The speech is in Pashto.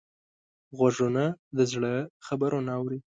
غوږونه د زړه خبرونه اوري